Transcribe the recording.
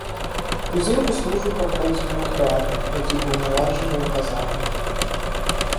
Узімку службы праходзілі ў храме, які быў наладжаны ў казармах.